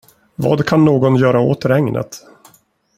Vad kan någon göra åt regnet?